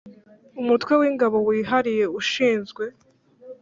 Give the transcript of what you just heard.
Umutwe w Ingabo wihariye ushinzwe